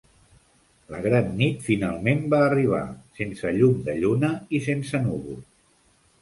La gran nit finalment va arribar, sense llum de lluna i sense núvols.